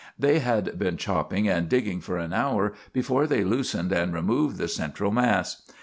They had been chopping and digging for an hour before they loosened and removed the central mass.